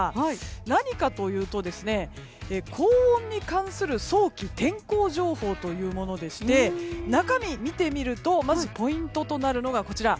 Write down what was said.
何かというと高温に関する早期天候情報というもので中身を見てみるとポイントとなるのが、こちら。